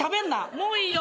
もういいよ。